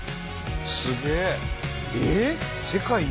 すげえ！